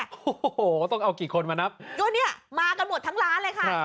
โอ้โหต้องเอากี่คนมานับดูเนี่ยมากันหมดทั้งร้านเลยค่ะ